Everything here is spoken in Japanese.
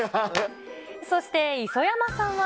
そして磯山さんは。